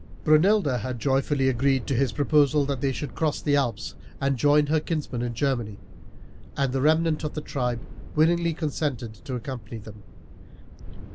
Brunilda had joyfully agreed to his proposal that they should cross the Alps and join her kinsmen in Germany, and the remnant of the tribe willingly consented to accompany them.